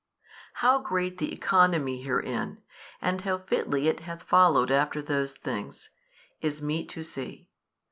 How great the economy herein, and how fitly it hath followed after those things, is meet to see.